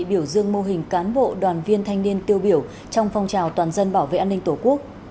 biểu dương mô hình cán bộ đoàn viên thanh niên tiêu biểu trong phong trào toàn dân bảo vệ an ninh tổ quốc